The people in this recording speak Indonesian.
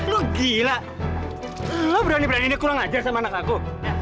lo gila lo berani beraninya kurang ajar sama anak aku